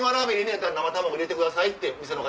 やったら生卵入れてくださいって店の方。